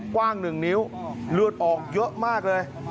กว้าง๑นิ้วเลือดออกเยอะมากเลย